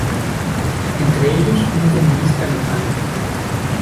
Entre ellos un comunista alemán.